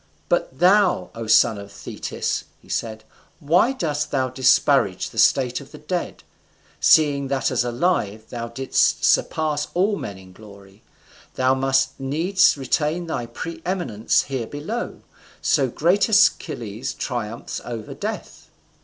"But thou, O son of Thetis," said he, "why dost thou disparage the state of the dead? Seeing that as alive thou didst surpass all men in glory, thou must needs retain thy pre eminence here below: so great Achilles triumphs over death."